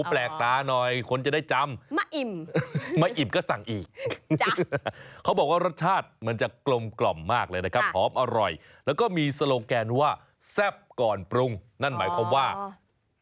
อ๋อแต่เลยเป็นเวทย์เตี๋ยวหรือว่ามะนะครับ